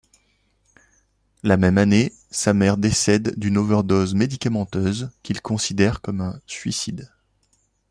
La même année, sa mère décède d’une overdose médicamenteuse qu’il considère comme un suicide.